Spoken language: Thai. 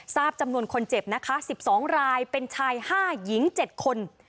ทราบจำนวนคนเจ็บนะคะ๑๒รายเป็นชาย๕หญิง๗คน